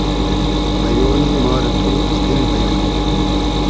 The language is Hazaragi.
بئیۉ نی ما رۂ تو از دیل بئیۉ نی